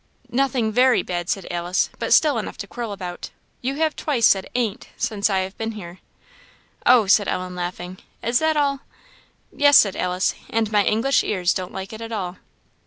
"Nothing very bad," said Alice, "but still enough to quarrel about. You have twice said 'ain't ' since I have been here." "Oh," said Ellen, laughing, "is that all?" "Yes," said Alice, "and my English ears don't like it at all."